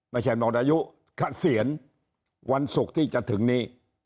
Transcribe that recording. ไม่ใช่หมดอายุเกษียณวันศุกร์ที่จะถึงนี้